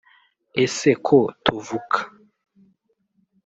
Ese ko tuvuka